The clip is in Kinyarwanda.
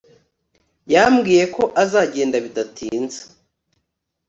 Yambwiye ko azagenda bidatinze